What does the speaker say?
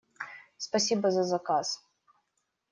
Спасибо за заказ!